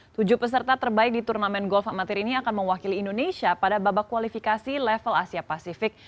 tujuh peserta terbaik di turnamen golf amatir ini akan mewakili indonesia pada babak kualifikasi level asia pasifik